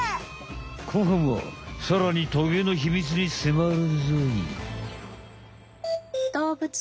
後半はさらにトゲのひみつにせまるぞい！